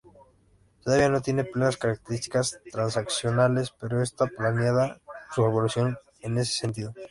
Todavía no tiene plenas características transaccionales pero está planeada su evolución en ese sentido.